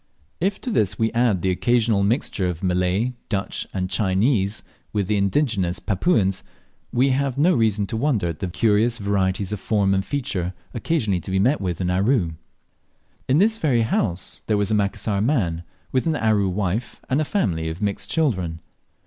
If to this we add the occasional mixture of Malay, Dutch, and Chinese with the indigenous Papuans, we have no reason to wonder at the curious varieties of form and feature occasionally to be met with in Aru. In this very house there was a Macassar man, with an Aru wife and a family of mixed children.